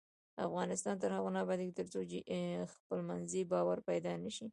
افغانستان تر هغو نه ابادیږي، ترڅو خپلمنځي باور پیدا نشي.